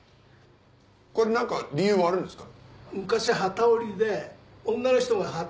これ何か理由があるんですか？